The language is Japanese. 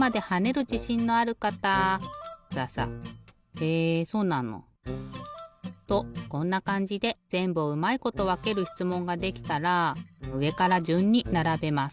へえそうなの！とこんなかんじでぜんぶをうまいことわけるしつもんができたらうえからじゅんにならべます。